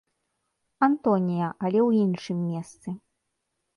Антонія, але ў іншым месцы.